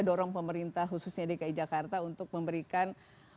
dorong pemerintah khususnya dki jakarta untuk memberikan